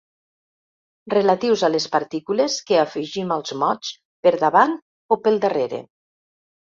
Relatius a les partícules que afegim als mots per davant o pel darrere.